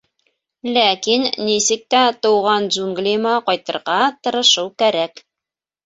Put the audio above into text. Ләкин нисек тә тыуған джунглийыма ҡайтырға тырышыу кәрәк.